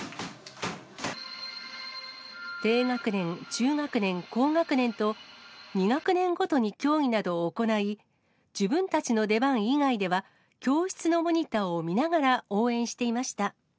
低学年、中学年、高学年と、２学年ごとに競技などを行い、自分たちの出番以外では、教室のモニターを見ながら応援していました。